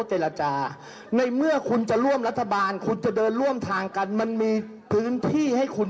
เพราะตอนนี้เงื่อนไขและจุดยืนของพักเพื่อไทยก็ยังคงเหมือนเดิมค่ะ